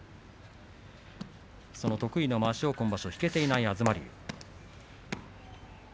得意のまわしを今場所引けていません東龍。